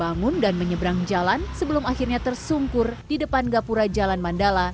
bangun dan menyeberang jalan sebelum akhirnya tersungkur di depan gapura jalan mandala